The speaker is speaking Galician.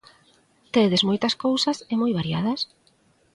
Tedes moitas cousas e moi variadas.